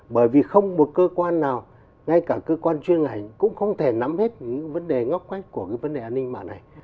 bởi vì không một cơ quan nào ngay cả cơ quan chuyên ngành cũng không thể nắm hết những vấn đề ngóc khoách của cái vấn đề an ninh mạng này